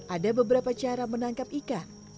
ada beberapa cara menangkap ikan